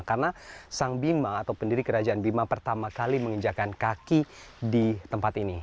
karena sang bima atau pendiri kerajaan bima pertama kali menginjakan kaki di tempat ini